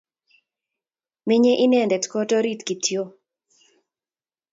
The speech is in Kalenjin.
Menyei inendet kot orit kityo